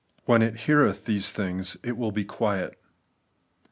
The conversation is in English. When it heareth these things, it will be quiet.